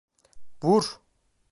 Vur!